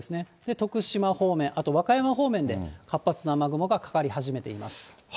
徳島方面、あと、和歌山方面で活発な雨雲がかかり始めています。